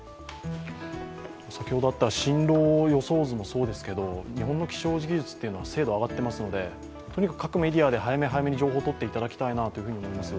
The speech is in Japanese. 先ほどあった進路予想図もそうですけど日本の気象技術は精度が上がってますのでとにかく各メディアで早め早めに情報をとっていただきたいなと思います。